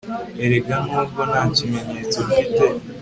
erega nubwo nta kimenyetso mfite